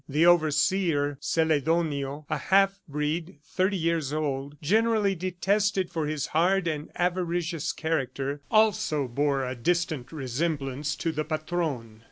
The overseer, Celedonio, a half breed thirty years old, generally detested for his hard and avaricious character, also bore a distant resemblance to the patron.